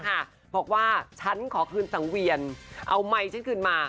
หากเข้ามาบอกว่าฉันขอคุณสั่งเวียนเอาไมค์ชั้นขึ้นมา